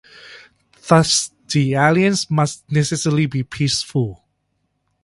Thus the aliens must necessarily be peaceful.